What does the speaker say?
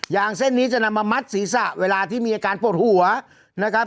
เส้นนี้จะนำมามัดศีรษะเวลาที่มีอาการปวดหัวนะครับ